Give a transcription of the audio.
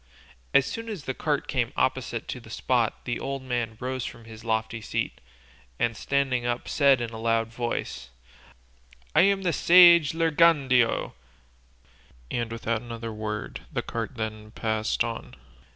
As soon as the cart came opposite the spot the old man rose from his lofty seat, and standing up said in a loud voice, "I am the sage Lirgandeo," and without another word the cart then passed on.